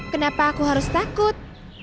kenapa aku harus takut